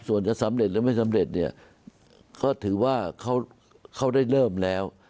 ส่วนจะสำเร็จหรือไม่สำเร็จเนี่ยก็ถือว่าเขาได้เริ่มแล้ว